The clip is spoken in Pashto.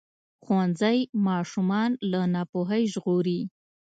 ښوونځی ماشومان له ناپوهۍ ژغوري.